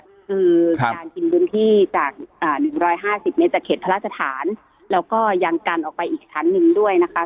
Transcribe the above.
ก็คือการกินพื้นที่จาก๑๕๐เมตรจากเขตพระราชฐานแล้วก็ยังกันออกไปอีกชั้นหนึ่งด้วยนะคะ